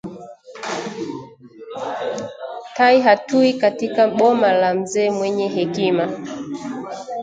Tai hatui katika boma la mzee mwenye hekima